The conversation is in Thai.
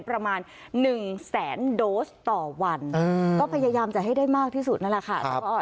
ประมาณ๑แสนโดสต่อวันก็พยายามจะให้ได้มากที่สุดนั่นแหละค่ะ